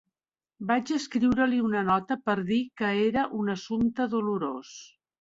Vaig escriure-li una nota per dir que era un assumpte dolorós.